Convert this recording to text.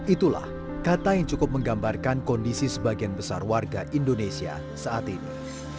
itulah kata yang cukup menggambarkan kondisi sebagian besar warga indonesia saat ini